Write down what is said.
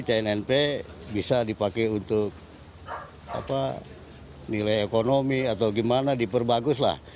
jadi cnnp bisa dipakai untuk nilai ekonomi atau gimana diperbagus lah